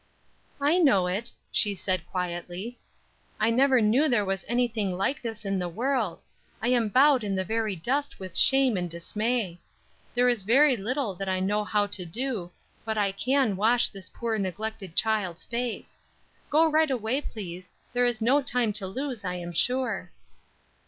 "I know it," she said quietly. "I never knew there was anything like this in the world; I am bowed in the very dust with shame and dismay. There is very little that I know how to do, but I can wash this poor, neglected child's face. Go right away, please; there is no time to lose I am sure."